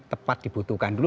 tepat dibutuhkan dulu